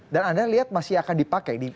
dan anda lihat masih akan dipakai